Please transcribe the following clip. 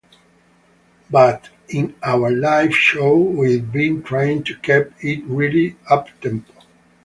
But in our live show, we've been trying to keep it really up-tempo.